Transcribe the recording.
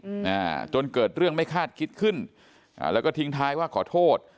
อืมอ่าจนเกิดเรื่องไม่คาดคิดขึ้นอ่าแล้วก็ทิ้งท้ายว่าขอโทษ